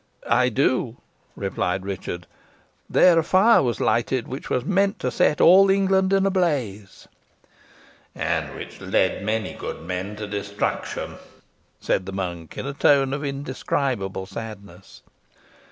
"I do," replied Richard. "There a fire was lighted which was meant to set all England in a blaze." "And which led many good men to destruction," said the monk, in a tone of indescribable sadness.